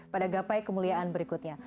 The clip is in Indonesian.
pada gapai kemuliaan berikutnya